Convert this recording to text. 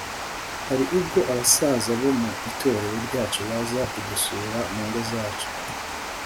hari ubwo abasaza bo mu itorero ryacu baza kudusura mu ngo zacu.